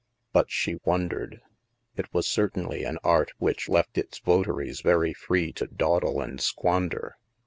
But she wondered! It was certainly an art which left its votaries very free to dawdle and squander.